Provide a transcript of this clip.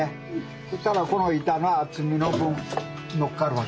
そしたらこの板が厚みの分のっかるわけ。